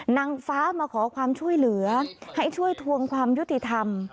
นางฟ้ามาขอความช่วยเหลือให้ช่วยทวงความยุติธรรม